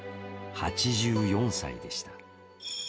８４歳でした。